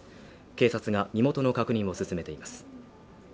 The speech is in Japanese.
警察が身元の確認を進めています。